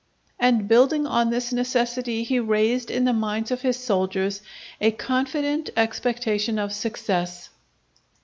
_" And building on this necessity, he raised in the minds of his soldiers a confident expectation of success.